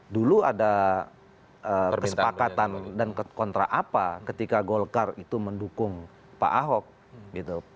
dulu ada kesepakatan dan kontra apa ketika golkar itu mendukung pak ahok gitu